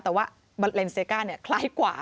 แต่ว่าเบอร์เลนเซก้าคล้ายกว่า